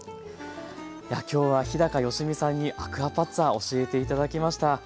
今日は日良実さんにアクアパッツァ教えて頂きました。